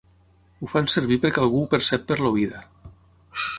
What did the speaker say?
Ho fan servir perquè algú ho percep per l'oïda.